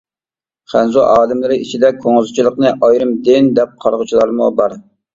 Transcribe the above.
خەنزۇ ئالىملىرى ئىچىدە كۇڭزىچىلىقنى ئايرىم دىن دەپ قارىغۇچىلارمۇ بار.